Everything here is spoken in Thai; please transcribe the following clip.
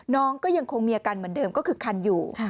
น้องก็ยังคงมีอาการเหมือนเดิมก็คือคันอยู่